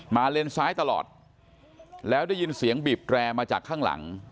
เลนซ้ายตลอดแล้วได้ยินเสียงบีบแร่มาจากข้างหลัง